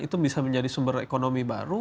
itu bisa menjadi sumber ekonomi baru